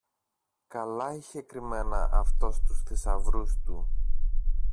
Καλά είχε κρυμμένα αυτός τους θησαυρούς του!